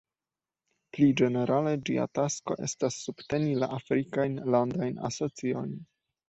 Pli ĝenerale ĝia tasko estas subteni la Afrikajn landajn asociojn.